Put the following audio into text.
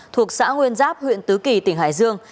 thuộc xã nguyên giáp huyện tứ kỳ tỉnh hải dương